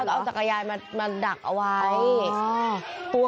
ก็ข่ายเป็นคลุม